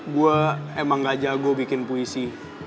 gue emang gak jago bikin puisi